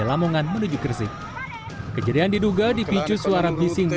namun masa justru bertindak semakin anarkistis